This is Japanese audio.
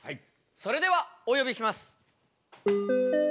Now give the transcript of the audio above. それではお呼びします。